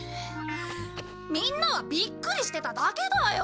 みんなはびっくりしてただけだよ！